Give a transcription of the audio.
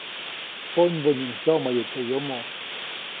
Ponybonyiʼuŋ tyoʼmäyu teʼ yomo.